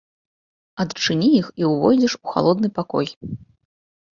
Адчыні іх і ўвойдзеш у халодны пакой.